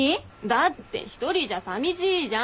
だって１人じゃさみしいじゃん！